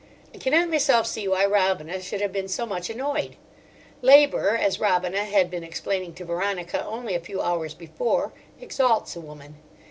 I cannot myself see why Robina should have been so much annoyed. Labour, as Robina had been explaining to Veronica only a few hours before, exalts a woman.